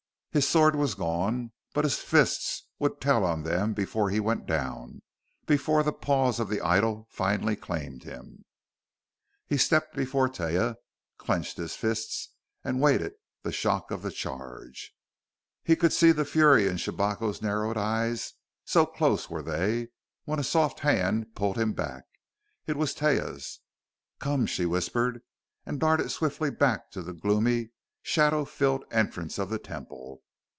His sword was gone, but his fists would tell on them before he went down, before the paws of the idol finally claimed him.... He stepped before Taia, clenched his fists, and waited the shock of the charge. He could see the fury in Shabako's narrowed eyes, so close were they, when a soft hand pulled him back. It was Taia's. "Come!" she whispered, and darted swiftly back to the gloomy, shadow filled entrance of the Temple.